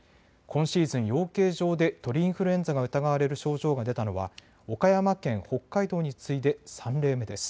今シーズン、養鶏場で鳥インフルエンザが疑われる症状が出たのは岡山県、北海道に次いで３例目です。